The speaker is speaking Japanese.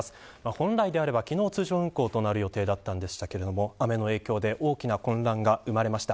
本来なら、きのう通常運行となる予定だったんですけれども雨の影響で大きな混乱が生まれました。